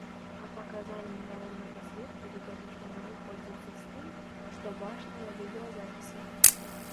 А паказанні галоўнага сведкі відавочна разыходзяцца з тым, што бачна на відэазапісах.